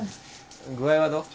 具合はどう？